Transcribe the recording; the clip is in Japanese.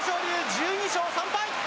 １２勝３敗。